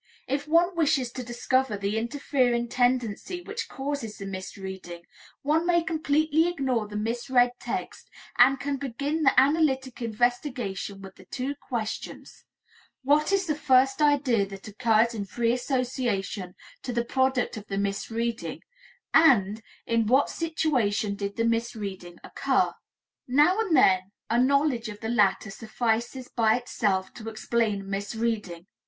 If one wishes to discover the interfering tendency which causes the misreading, one may completely ignore the misread text and can begin the analytic investigation with the two questions: What is the first idea that occurs in free association to the product of the misreading, and, in what situation did the misreading occur? Now and then a knowledge of the latter suffices by itself to explain the misreading.